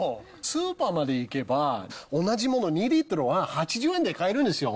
スーパーまで行けば、同じもの２リットルは８０円で買えるんですよ。